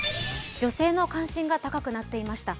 女性の関心が高くなっていました。